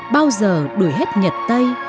bao giờ đuổi hết nhật tây